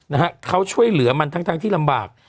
นะฮะเขาช่วยเหลือมันทั้งทั้งที่ลำบาก